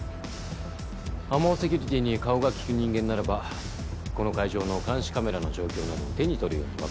ＡＭＯセキュリティーに顔が利く人間ならばこの会場の監視カメラの状況など手に取るようにわかりますよね。